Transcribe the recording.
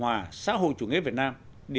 tội tuyên truyền hòa xã hội chủ nghĩa việt nam